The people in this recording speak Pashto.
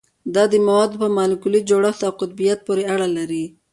دا د موادو په مالیکولي جوړښت او قطبیت پورې اړه لري